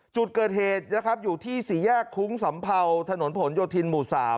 จุดเกิดเหตุนะครับอยู่ที่สี่แยกคุ้งสำเภาถนนผลโยธินหมู่๓